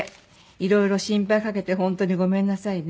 いろいろ心配かけて本当にごめんなさいね」